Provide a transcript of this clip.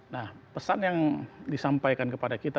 nah pesan yang disampaikan kepada kita